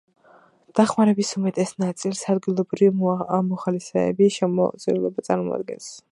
დახმარების უმეტეს ნაწილს ადგილობრივი მოხალისეების შემოწირულობა წარმოადგენს.